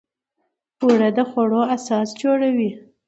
اوړه د خوړو اساس جوړوي